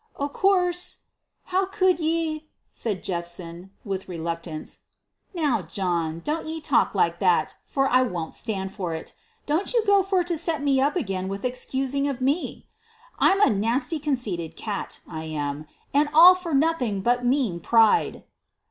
O' coorse! How could ye?" said Jephson with reluctance. "Now, John, don't ye talk like that, for I won't stand it. Don't you go for to set me up again with excusin' of me. I'm a nasty conceited cat, I am and all for nothing but mean pride."